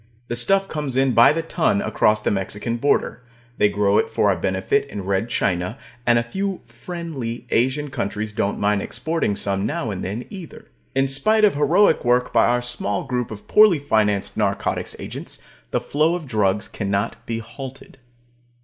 The stuff comes in by the ton across the Mexican border; they grow it for our benefit in Red China; and a few "friendly" Asian countries don't mind exporting some now and then, either. In spite of heroic work by our small group of poorly financed narcotics agents, the flow of drugs cannot be halted.